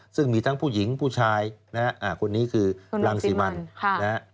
ซึ่งมีทั้งผู้หญิงผู้ชายนะครับอ่าคนนี้คือคุณลังซีมันค่ะ